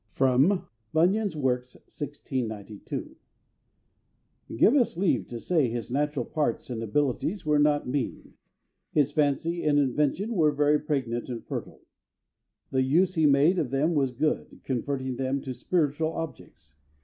[Sidenote: Bunyan's Works, 1692.] "Give us leave to say his natural parts and abilities were not mean, his fancy and invention were very pregnant and fertile; the use he made of them was good, converting them to spiritual objects.